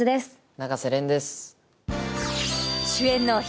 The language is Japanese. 永瀬廉です